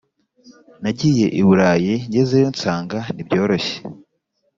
Nagiye iburayi ngezeyo nsanga ntibyoroshye